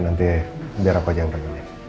nanti biar aku aja yang pengennya